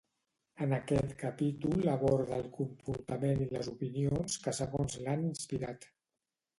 En aquest capítol aborda el comportament i les opinions que segons l'han inspirat.